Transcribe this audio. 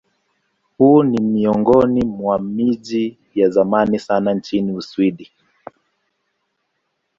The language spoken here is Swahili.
Huu ni miongoni mwa miji ya zamani sana nchini Uswidi.